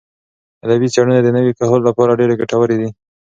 ادبي څېړنې د نوي کهول لپاره ډېرې ګټورې دي.